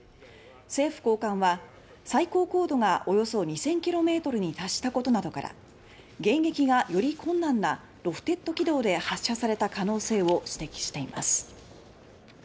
政府高官は最高高度がおよそ２０００ｋｍに達したことなどから迎撃がより困難なロフテッド軌道で発射された可能性を指摘しています。